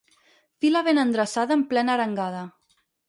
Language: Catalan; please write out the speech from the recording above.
Fila ben endreçada en plena arengada.